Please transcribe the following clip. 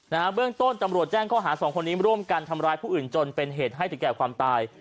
เบื้องต้นตำรวจแจ้งข้อหาสองคนนี้ร่วมกันทำร้ายผู้อื่นจนเป็นเหตุให้ถึงแก่ความตาย